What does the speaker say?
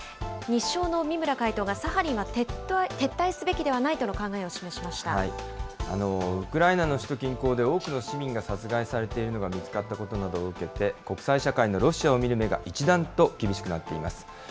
日商の三村会頭がサハリンは撤退すべきではないとの考えを示しまウクライナの首都近郊で、多くの市民が殺害されているのが見つかったことなどを受けて、国際社会のロシアを見る目が一段と厳しくなっています。